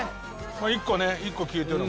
１個ね１個消えてるもん。